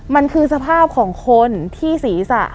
มันคือสภาพของคนที่ศีรษะ